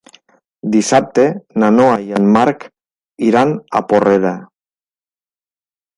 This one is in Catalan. Dissabte na Noa i en Marc iran a Porrera.